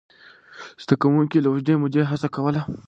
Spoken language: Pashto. زده کوونکي له اوږدې مودې هڅه کوله.